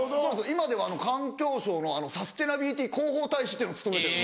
今では環境省のサステナビリティ広報大使っていうのも務めてる。